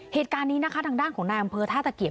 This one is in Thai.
เหตุการณ์นี้นะคะทางด้านของนายอำเภอท่าตะเกียบ